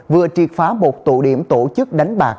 vừa triệt phá một tụ điểm tổ chức đánh bạc